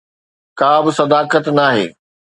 ڪابه صداقت ناهي